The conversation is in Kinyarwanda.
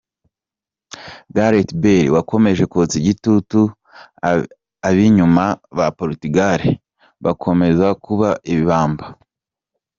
Gareth Bale wakomeje kotsa igitutu abinyuma ba Portugal bakomeza kuba ibamba